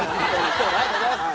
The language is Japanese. きょうもありがとうございます。